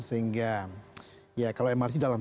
sehingga ya kalau mrt dalam